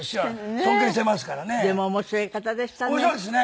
でも面白い方でしたね。